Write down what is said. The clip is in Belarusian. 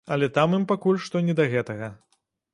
Але там ім пакуль што не да гэтага.